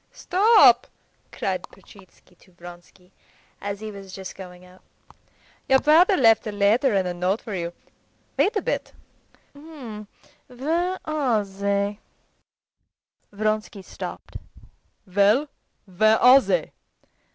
"Stop!" cried Petritsky to Vronsky as he was just going out. "Your brother left a letter and a note for you. Wait a bit; where are they?" Vronsky stopped. "Well, where are they?"